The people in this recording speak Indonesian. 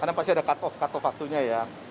karena pasti ada cut off cut off faktunya ya